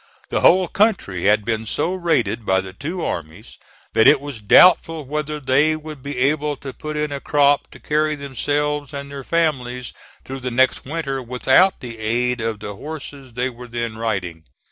The whole country had been so raided by the two armies that it was doubtful whether they would be able to put in a crop to carry themselves and their families through the next winter without the aid of the horses they were then riding.